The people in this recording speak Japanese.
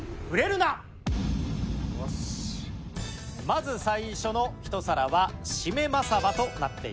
まず最初のひと皿は〆真さばとなっています。